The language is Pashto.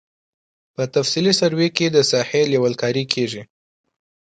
په تفصیلي سروې کې د ساحې لیول کاري کیږي